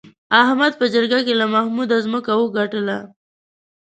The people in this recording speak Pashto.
احمد په جرګه کې له محمود ځمکه وګټله.